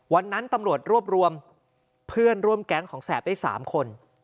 วันนั้นตำรวจรวบรวมเพื่อนร่วมแก๊งของแสบได้๓คน